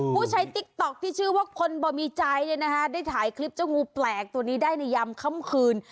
ผู้ใช้ติ๊กต๊อกที่ชื่อว่าคนบ่มีใจได้ถ่ายคลิปเจ้างูแปลกตัวนี้ได้ในยามค่ำคืน